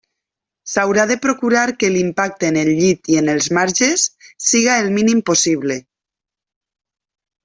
S'haurà de procurar que l'impacte en el llit i en els marges siga el mínim possible.